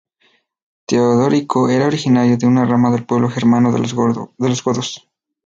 Teodorico era originario de una rama del pueblo germano de los godos.